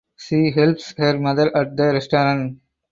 She helps her mother at the restaurant.